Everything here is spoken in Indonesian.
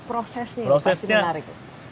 prosesnya pasti menarik